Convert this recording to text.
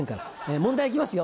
問題行きますよ。